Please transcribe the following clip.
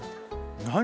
何